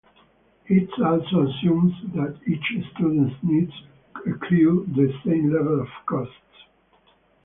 It also assumes that each student's needs accrue the same level of costs.